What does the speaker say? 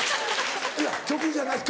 いや曲じゃなし